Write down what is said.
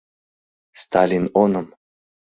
Сталин оным!